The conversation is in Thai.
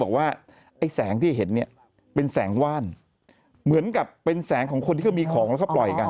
บอกว่าไอ้แสงที่เห็นเนี่ยเป็นแสงว่านเหมือนกับเป็นแสงของคนที่เขามีของแล้วก็ปล่อยกัน